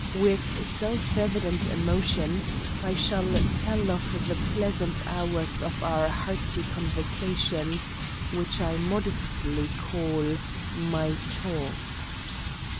With self evident emotion I shall tell of the pleasant hours of our hearty conversations, which I modestly call "My talks."